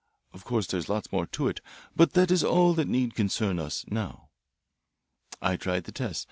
Of course there's lots more to it, but this is all that need concern us now. "I tried the tests.